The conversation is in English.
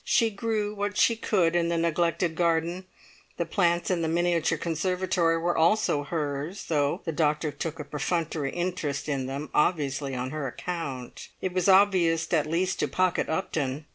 She grew what she could in the neglected garden; the plants in the miniature conservatory were also hers, though the doctor took a perfunctory interest in them, obviously on her account. It was obvious at least to Pocket Upton.